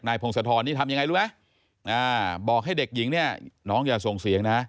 พงศธรนี่ทำยังไงรู้ไหมบอกให้เด็กหญิงเนี่ยน้องอย่าส่งเสียงนะ